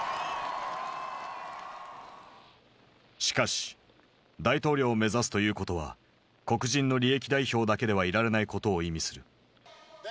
しかし大統領を目指すということは黒人の利益代表だけではいられないことを意味する。